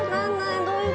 どういう事？